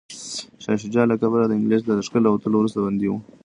شاه شجاع له کابله د انګلیس د لښکر له وتلو وروسته بندي و.